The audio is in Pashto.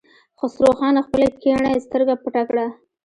خسرو خان خپله کيڼه سترګه پټه کړه.